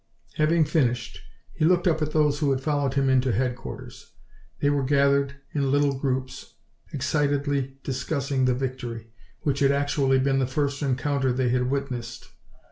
Having finished, he looked up at those who had followed him into headquarters. They were gathered in little groups, excitedly discussing the victory, which had actually been the first encounter they had witnessed.